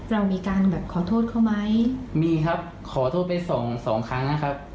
เรามีการแบบขอโทษเขาไหมมีครับขอโทษไปสองสองครั้งนะครับ